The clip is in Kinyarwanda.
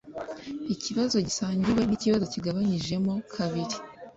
ikibazo gisangiwe nikibazo kigabanyijemo kabiri